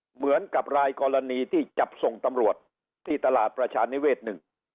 เหมือนกับรายกรณีที่จับส่งตำรวจที่ตลาดประชานิเวศหนึ่ง